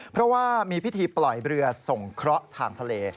เพราะว่ามีพิธีปล่อยเรือส่งเคราะห์ทางทะเล